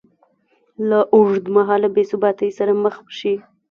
له اوږدمهاله بېثباتۍ سره مخ شي